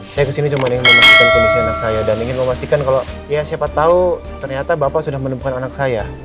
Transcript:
saya kesini cuma ingin memastikan kondisi anak saya dan ingin memastikan kalau ya siapa tahu ternyata bapak sudah menemukan anak saya